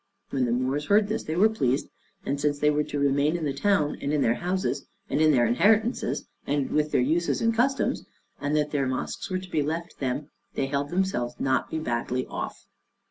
When the Moors heard this they were pleased; and since they were to remain in the town, and in their houses and their inheritances, and with their uses and customs, and that their mosques were to be left them, they held themselves not to be badly off.